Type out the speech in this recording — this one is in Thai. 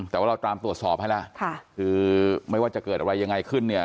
แต่ว่าเราตามตรวจสอบให้แล้วคือไม่ว่าจะเกิดอะไรยังไงขึ้นเนี่ย